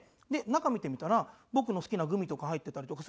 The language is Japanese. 中見てみたら僕の好きなグミとか入ってたりとか。